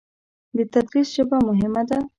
د تدریس ژبه مهمه ده.